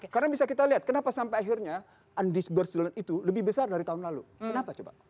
karena bisa kita lihat kenapa sampai akhirnya undisbursed loan itu lebih besar dari tahun lalu kenapa coba